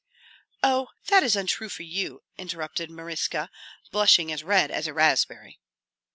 "Oh, that is untrue for you," interrupted Maryska, blushing as red as a raspberry.